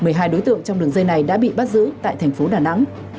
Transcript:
các đối tượng trong đường dây này đã bị bắt giữ tại thành phố đà nẵng